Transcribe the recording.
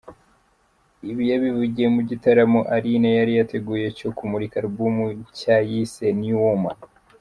Ibi yabivugiye mu gitaramo Aline yari yateguye cyo kumurika Album nshya yise ‘New Woman’.